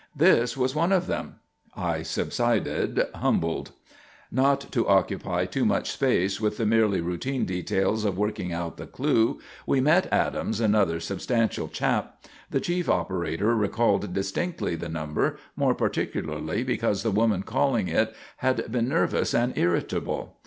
This was one of them." I subsided, humbled. Not to occupy too much space with the merely routine details of working out the clue, we met Adams, another substantial chap. The chief operator recalled distinctly the number, more particularly because the woman calling it had been nervous and irritable.